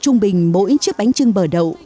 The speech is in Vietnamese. trung bình mỗi chiếc bánh chưng bò đậu